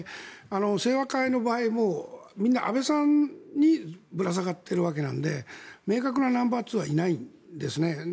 清和会の場合もみんな安倍さんにぶら下がっているわけなんで明確なナンバーツーはいないんです。